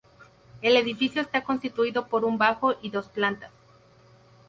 El edificio está constituido por un bajo y dos plantas.